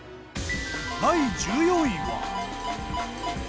第１４位は。